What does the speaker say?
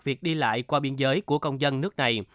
việc đi lại qua biên giới của công dân nước này